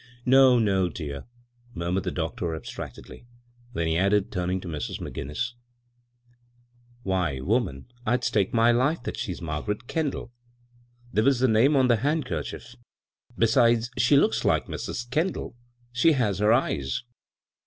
"No, no, dear," murmured the doctor, abstractedly ; then he added, turning to Mrs. McGinnis ;" Why, woman, I'd stake my life that she's Margaret Kendall. There was the name on the handkerchief; be sides, she looks like Mrs. Kendall. She has her eyes."